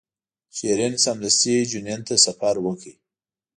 شیرین سمدستي جنین ته سفر وکړ.